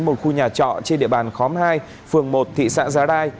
một khu nhà trọ trên địa bàn khóm hai phường một thị xã giá rai